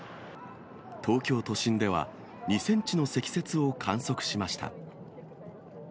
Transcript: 東京都心では２センチの積雪を観測しました。